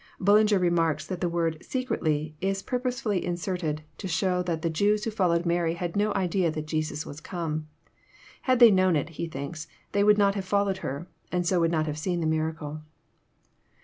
'* Bullinger remarks that the word " secretly is purposely in serted, to show that the Jews who followed Mary had no idea that Jesus was come. Had they known it, he thinks, they would not have followed her, and so would not have seen the miracle.